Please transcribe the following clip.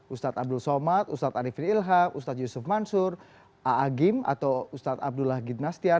ustadz abdul somad ustadz arifin ilham ustadz yusuf mansur a'agim atau ustadz abdullah gidnastiar